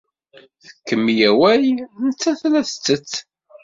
Tkemmel awal, nettat la tettett.